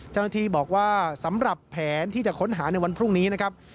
เจ้าหน้าที่บอกว่าสำหรับแผนที่จะค้นหาในวันพรุ่งนี้นะครับ